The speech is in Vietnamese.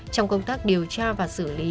trong công tác điều tra và xử lý